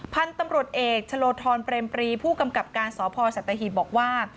พันธุ์ตำรวจเอกชะโลธรเปรมปรีผู้กำกับการสพสัตหีบบอกว่า